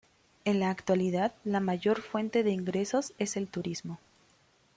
En la actualidad la mayor fuente de ingresos es el turismo.